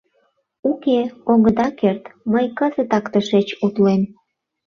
Уке, огыда керт, мый кызытак тышеч утлем.